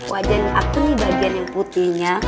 wajan aku nih bagian yang putihnya